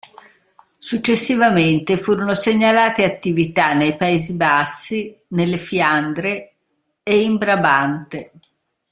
Successivamente furono segnalate attività nei Paesi Bassi, nelle Fiandre e in Brabante.